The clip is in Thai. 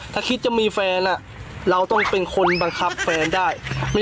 ถ้าคิดจะมีแฟนเราต้องเป็นคนบังคับแฟนได้